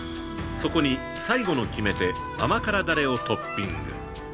そこに最後の決め手甘辛ダレをトッピング。